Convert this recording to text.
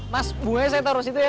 mas bunganya saya taruh situ ya